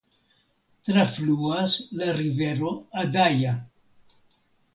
Trafluas la rivero Adaja.